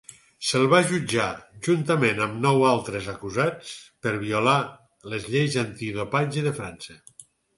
Se'l va jutjar, juntament amb nou altres acusats, per violar les lleis antidopatge de França.